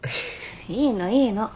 いいのいいの。